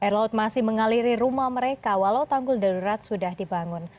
air laut masih mengaliri rumah mereka walau tanggul darurat sudah dibangun